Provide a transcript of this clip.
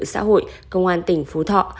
xã hội công an tỉnh phú thọ